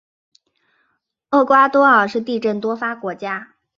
厄瓜多尔是地震多发国家。